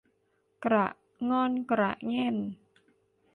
กระง่อนกระแง่น